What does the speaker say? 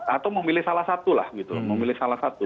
atau memilih salah satu lah gitu memilih salah satu